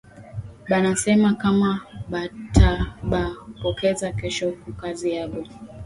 Bana sema kama batabapokeza kesho kukazi yabo